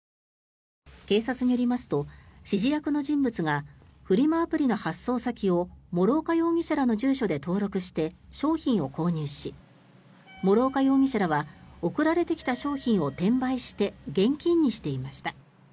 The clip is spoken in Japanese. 警察によりますと指示役の人物がフリマアプリの発送先を諸岡容疑者らの住所で登録して商品を購入し諸岡容疑者らは送られてきた商品を転売して現金にしていました。